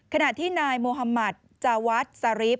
ขณะที่นายโมฮัมมัสจาวัสซารีฟ